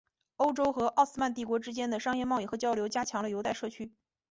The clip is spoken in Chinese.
欧洲和奥斯曼帝国之间的商业贸易和交流加强了犹太社区。